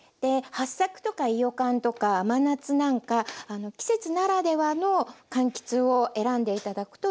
はっさくとかいよかんとか甘夏なんか季節ならではのかんきつを選んで頂くといいと思います。